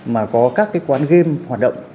mà có các quán game hoạt động